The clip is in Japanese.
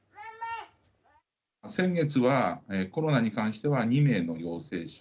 先月はコロナに関しては２名の陽性でした。